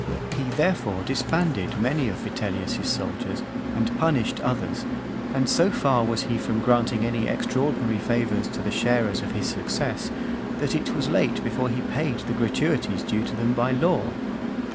He, therefore, disbanded many of Vitellius's soldiers, and punished others; and so far was he from granting any extraordinary favours to the sharers of his success, that it was late before he paid the gratuities due to them by law.